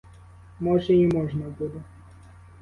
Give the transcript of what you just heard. Може, і можна буде.